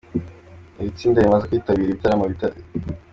Iri tsinda rimaze kwitabira ibitaramo bitari